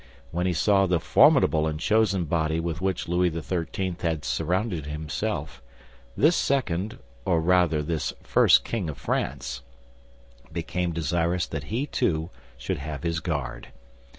When he saw the formidable and chosen body with which Louis XIII. had surrounded himself, this second, or rather this first king of France, became desirous that he, too, should have his guard.